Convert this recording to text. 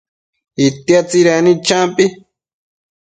itia tsidecnid champi